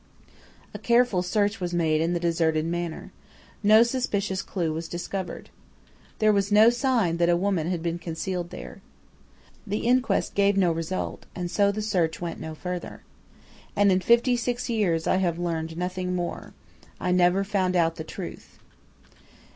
"A careful search was made in the deserted manor. No suspicious clue was discovered. "There was no sign that a woman had been concealed there. "The inquest gave no result, and so the search went no further. "And in fifty six years I have learned nothing more. I never found out the truth."